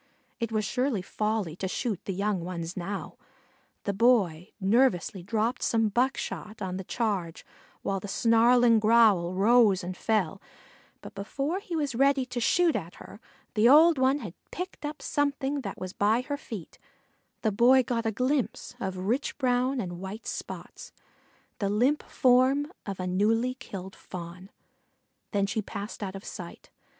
It was surely folly to shoot at the young ones now. The boy nervously dropped some buckshot on the charge while the snarling growl rose and fell, but before he was ready to shoot at her the old one had picked up something that was by her feet; the boy got a glimpse of rich brown with white spots the limp form of a newly killed Fawn. Then she passed out of sight.